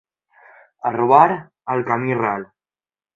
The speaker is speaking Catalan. A robar, al camí ral!